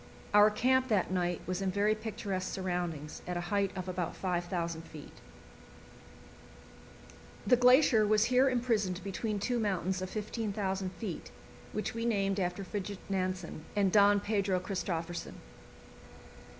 Our camp that night was in very picturesque surroundings, at a height of about 5,000 feet. The glacier was here imprisoned between two mountains of 15,000 feet, which we named after Fridtjof Nansen and Don Pedro Christophersen.